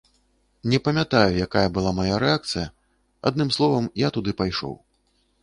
Не памятаю, якая была мая рэакцыя, адным словам, я туды пайшоў.